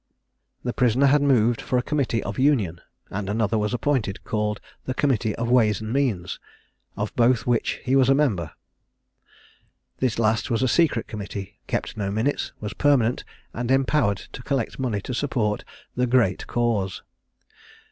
The prisoner had moved for a Committee of Union; and another was appointed, called the Committee of Ways and Means; of both which he was a member. This last was a Secret Committee, kept no minutes, was permanent, and empowered to collect money to support "the great cause."